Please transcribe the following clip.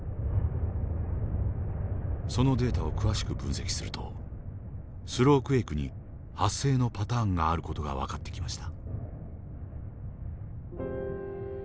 そのデータを詳しく分析するとスロークエイクに発生のパターンがある事が分かってきました。